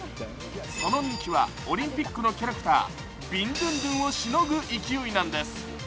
その人気はオリンピックのキャラクタービンドゥンドゥンをしのぐ勢いなんです。